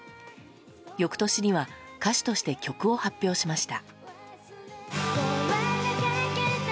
翌年には歌手として曲を発表しました。